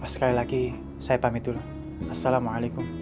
sekali lagi saya pamit dulu assalamualaikum